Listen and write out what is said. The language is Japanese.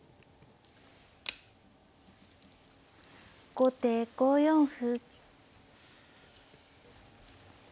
後手５四歩。